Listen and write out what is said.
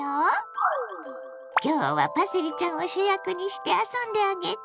今日はパセリちゃんを主役にして遊んであげて！